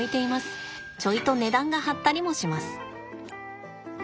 ちょいと値段が張ったりもします。